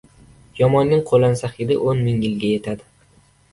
• Yomonning qo‘lansa hidi o‘n ming yilga yetadi.